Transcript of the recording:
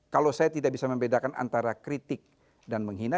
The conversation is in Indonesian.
kalau saya tidak bisa membedakan antara kritik dan menghina